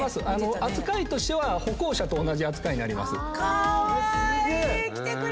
扱いとしては歩行者と同じ扱いになります。